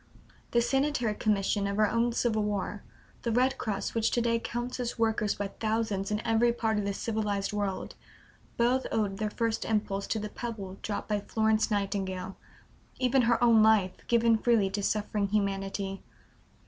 The Sanitary Commission of our own Civil War, the Red Cross which to day counts its workers by thousands in every part of the civilized world, both owed their first impulse to the pebble dropped by Florence Nightingale even her own life, given freely to suffering humanity.